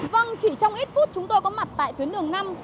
vâng chỉ trong ít phút chúng tôi có mặt tại tuyến đường năm